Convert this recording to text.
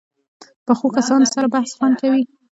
پخو کسانو سره بحث خوند کوي